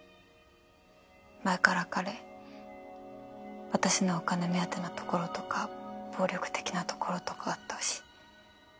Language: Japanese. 前から彼私のお金目当てのところとか暴力的なところとかあったし。